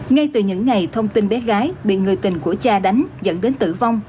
ngay từ những ngày thông tin bé gái bị người tình của cha đánh dẫn đến tử vong